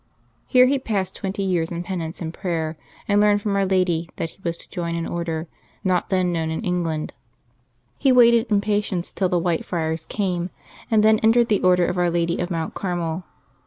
Here he passed twenty years in penance and prayer, and learned from Our Lady that he was to join an Order not then known in England. He waited in patience till the White Friars came, and then entered the Order of Our Lady of Mount Carmel.